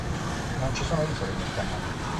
Non ci sono isole nel canale.